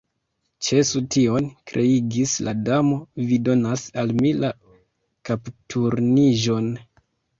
"Ĉesu tion," kriegis la Damo, "vi donas al mi la kapturniĝon!"